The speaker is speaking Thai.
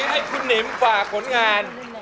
เอ้าอันนี้ให้คุณนิมฝากผลงาน